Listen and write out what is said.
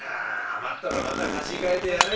余ったらまた河岸かえてやれ」。